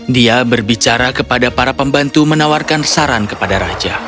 dia berbicara kepada para pembantu menawarkan saran kepada raja